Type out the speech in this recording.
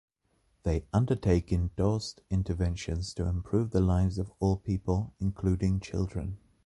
They undertake endorsed interventions to improve the lives of all people, including children.